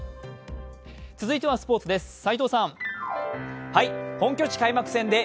続いてはスポーツです。